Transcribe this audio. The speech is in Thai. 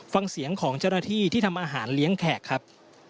ฟังเสียงของเจ้าหน้าที่ที่ทำอาหารเลี้ยงแขกครับ